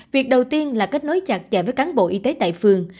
việc đầu tiên là kết nối chặt chẽ với cán bộ y tế tại phường